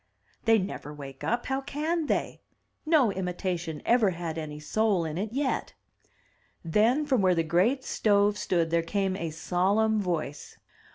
They never wake up; how can they? No imi tation ever had any soul in it yet/* Then from where the great stove stood there came a solemn voice.